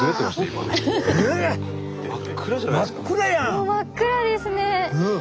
もう真っ暗ですね。